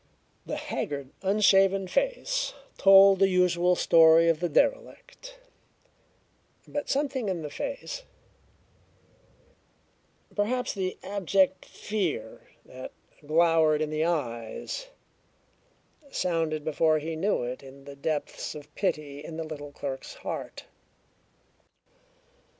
The haggard, unshaven face told the usual story of the derelict, but something in the face perhaps the abject fear that glowered in the eyes sounded before he knew it the depths of pity in the little clerk's heart.